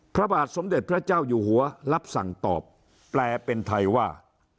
พระบาทสมเด็จพระเจ้าอยู่หัวรับสั่งตอบแปลเป็นไทยว่า